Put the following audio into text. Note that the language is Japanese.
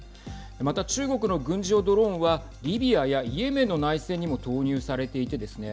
また、中国の軍事用ドローンはリビアやイエメンの内戦にも投入されていてですね